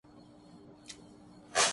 آپ نے شراب پی رکھی ہے؟